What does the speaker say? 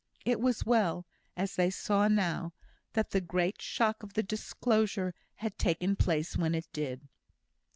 It was well, as they saw now, that the great shock of the disclosure had taken place when it did.